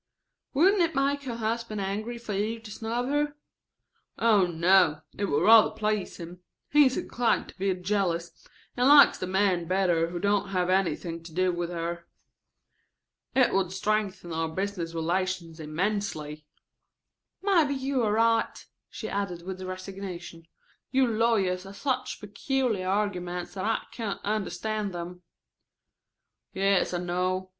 "Wouldn't it make her husband angry for you to snub her?" "Oh, no, it would rather please him. He is inclined to be jealous, and likes the men better who don't have anything to do with her. It would strengthen our business relations immensely." "Maybe you are right," she added with resignation. "You lawyers have such peculiar arguments that I can't understand them." "Yes, I know.